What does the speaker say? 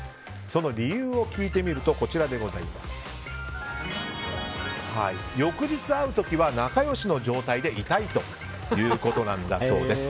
その理由を聞いてみると翌日会う時は仲良しの状態でいたいということなんです。